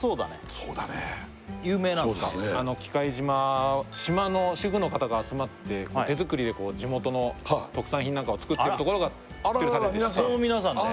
そうだね喜界島島の主婦の方が集まって手作りで地元の特産品なんかを作ってるところが作ってましてこの皆さんで？